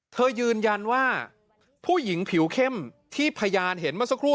ยืนยันว่าผู้หญิงผิวเข้มที่พยานเห็นเมื่อสักครู่